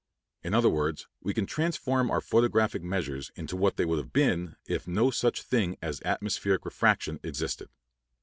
In other words, we can transform our photographic measures into what they would have been if no such thing as atmospheric refraction existed.